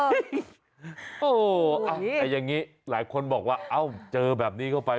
โอ้โหแต่อย่างนี้หลายคนบอกว่าเอ้าเจอแบบนี้เข้าไป